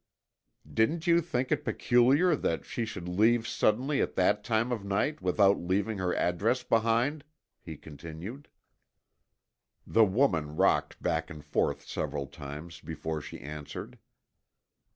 "Didn't you think it peculiar that she should leave suddenly at that time of night without leaving her address behind?" he continued. The woman rocked back and forth several times before she answered.